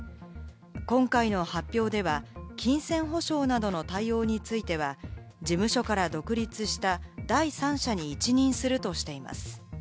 今回の発表では、金銭保証などの対応については、事務所から独立した第三者に一任するとしています。